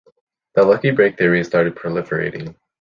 The lucky break theory started proliferating.